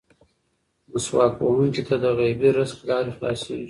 مسواک وهونکي ته د غیبي رزق لارې خلاصېږي.